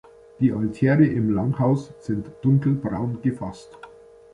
Die Altäre im Langhaus sind dunkelbraun gefasst.